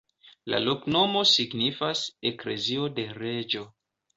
La loknomo signifas: eklezio de reĝo.